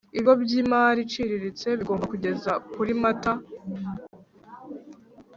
Ibigo by imari iciriritse bigomba kugeza kuri mata